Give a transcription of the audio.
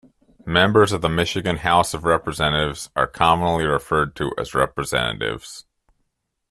Members of the Michigan House of Representatives are commonly referred to as representatives.